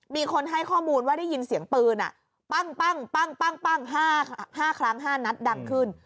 มีคนให้ข้อมูลว่าได้ยินเสียงปืนปั้ง๕ครั้ง๕นัดดังขึ้น